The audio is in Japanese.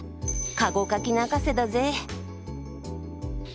駕籠かき泣かせだぜ。